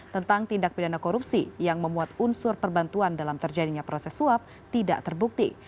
tentang tindak pidana korupsi yang memuat unsur perbantuan dalam terjadinya proses suap tidak terbukti